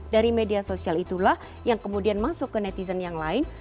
dari media sosial itulah yang kemudian masuk ke netizen yang lain